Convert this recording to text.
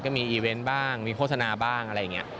ก็มีอีเวนต์บ้างมีโฆษณาบ้างอะไรอย่างนี้